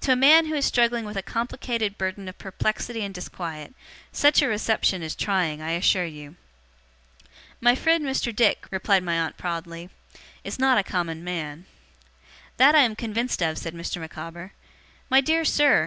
To a man who is struggling with a complicated burden of perplexity and disquiet, such a reception is trying, I assure you.' 'My friend Mr. Dick,' replied my aunt proudly, 'is not a common man.' 'That I am convinced of,' said Mr. Micawber. 'My dear sir!